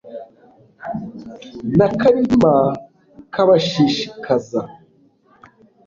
na karirima kabashishikaza